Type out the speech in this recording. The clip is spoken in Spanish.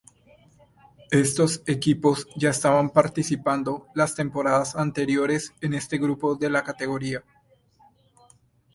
Estos equipos ya estaban participando las temporadas anteriores en este grupo de la categoría.